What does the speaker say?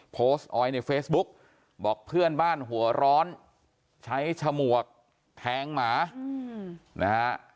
โพสต์เอาไว้ในเฟซบุ๊กบอกเพื่อนบ้านหัวร้อนใช้ฉมวกแทงหมานะฮะ